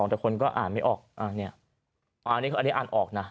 แต่คนก็อ่านไม่ออกอ่าเนี่ยอันนี้อ่านออกนะ